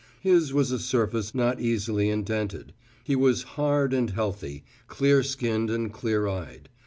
His was a surface not easily indented: he was hard and healthy, clear skinned and clear eyed.